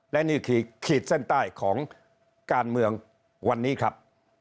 และนี่คือขีดเส้นใต้ของการเมืองวันนี้ครับ